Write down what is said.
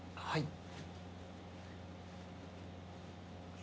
はい。